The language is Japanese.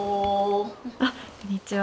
あっこんにちは